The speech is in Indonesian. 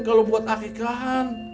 kalau buat akikahan